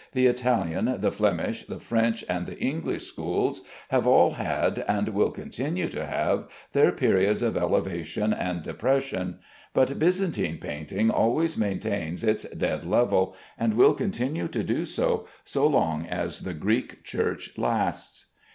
The Italian, the Flemish, the French, and the English schools have all had, and will continue to have, their periods of elevation and depression; but Byzantine painting always maintains its dead level, and will continue to do so as long as the Greek Church lasts.